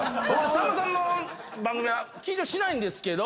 さんまさんの番組は緊張しないんですけど。